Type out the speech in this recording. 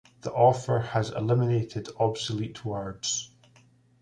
The author has eliminated obsolete words.